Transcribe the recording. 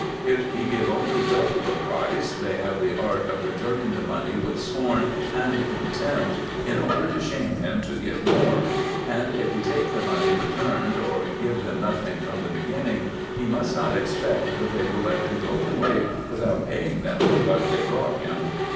If he give only double the price, they have the art of returning the money with scorn and contempt, in order to shame him to give more :— and if he take the money returned, or give them nothing from the beginning, he must not expect, that IN EGYPT, NUBIA, &c 109 they will let him go away without paying them for what they brought him.